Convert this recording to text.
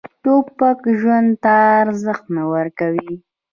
توپک ژوند ته ارزښت نه ورکوي.